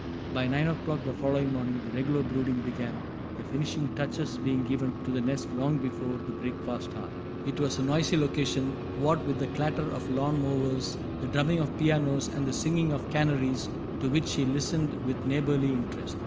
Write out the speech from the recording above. By nine o'clock the following morning the regular brooding began, the finishing touches being given to the nest long before the breakfast hour. It was a noisy location, what with the clatter of lawn mowers, the drumming of pianos, and the singing of canaries, to which she listened with neighborly interest.